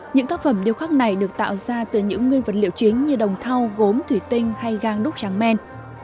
những tác phẩm điêu khắc này được tạo ra từ những nguyên vật liệu chính như đồng thau gốm thủy tinh hay gang đúc tráng men